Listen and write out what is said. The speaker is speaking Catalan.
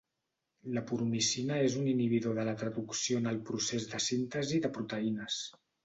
La puromicina és un inhibidor de la traducció en el procés de síntesi de proteïnes.